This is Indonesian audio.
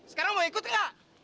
sekarang mau ikut nggak